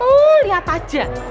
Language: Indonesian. tuh liat aja